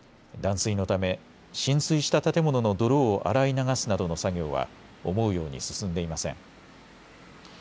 断水のため浸水した建物の泥を洗い流すなどの作業は思うように進んでいません。